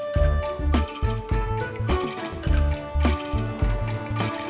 cari beberapa orang untuk di pasar